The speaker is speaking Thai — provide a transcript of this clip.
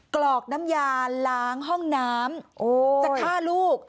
กรอกน้ำยาล้างห้องน้ำจะฆ่าลูก